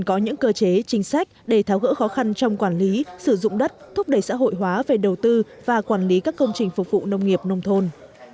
có những cơ chế chính sách để tháo gỡ khó khăn trong quản lý sử dụng đất thúc đẩy xã hội hóa về đầu tư và quản lý các công trình phục vụ nông nghiệp nông thôn